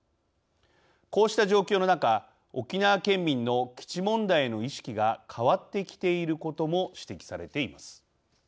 こうした状況の中沖縄県民の基地問題への意識が変わってきていることも指摘されています。